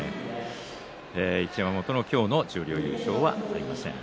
一山本の今日の十両優勝はありません。